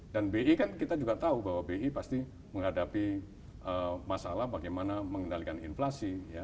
bi kan kita juga tahu bahwa bi pasti menghadapi masalah bagaimana mengendalikan inflasi